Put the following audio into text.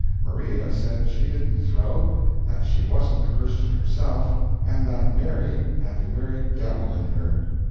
Maria said she didn't throw; that she wasn't a Christian herself, and that Mary had the very devil in her.